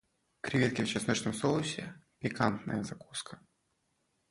Креветки в чесночном соусе - пикантная закуска.